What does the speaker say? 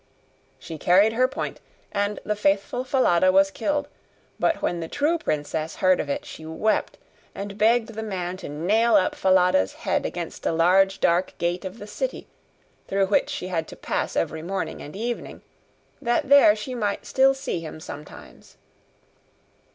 She carried her point, and the faithful Falada was killed; but when the true princess heard of it, she wept, and begged the man to nail up Falada's head against a large dark gate of the city, through which she had to pass every morning and evening, that there she might still see him sometimes.